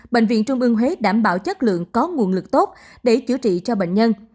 bệnh viện trung ương huế đảm bảo chất lượng có nguồn lực tốt để chữa trị cho bệnh nhân